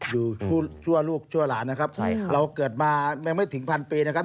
อยู่ชั่วลูกชั่วหลานนะครับเราเกิดมาไม่ถึงพันปีนะครับ